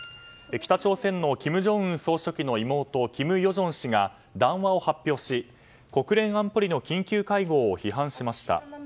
北朝鮮の金正恩総書記の妹金与正氏が談話を発表し国連安保理の緊急会合を批判しました。